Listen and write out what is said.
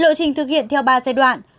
lựa chình thực hiện theo ba giai đoạn